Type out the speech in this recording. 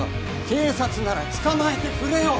警察なら捕まえてくれよ！